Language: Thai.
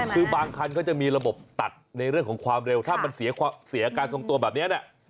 คือบางคันเขาจะมีระบบตัดในเรื่องของความเร็วถ้ามันเสียการทรงตัวแบบนี้เนี่ย